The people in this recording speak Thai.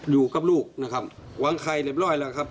อยู่กับลูกนะครับหวังไข่เรียบร้อยแล้วครับ